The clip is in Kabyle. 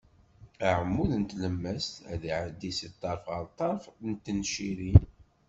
Aɛmud n tlemmast ad iɛeddi si ṭṭerf ɣer ṭṭerf n tencirin.